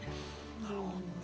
なるほどね。